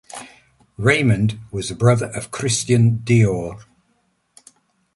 Raymond was the brother of Christian Dior.